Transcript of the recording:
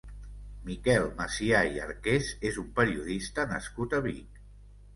Miquel Macià i Arqués és un periodista nascut a Vic.